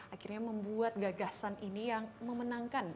akhirnya membuat gagasan ini yang memenangkan